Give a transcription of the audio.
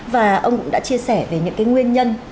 và ông cũng đã chia sẻ về những cái nguyên nhân